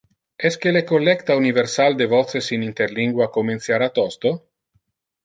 Esque le collecta universal de voces in interlingua comenciara tosto?